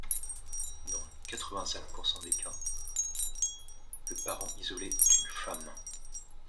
Dans quatre-vingt-cinq pourcent des cas, le parent isolé est une femme.